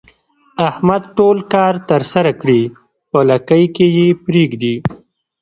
احمد ټول کار ترسره کړي په لکۍ کې یې پرېږدي.